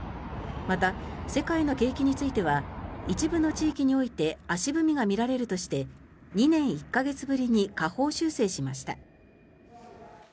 また、世界の景気については一部の地域において足踏みが見られるとして２年１か月ぶりに下方修正しました。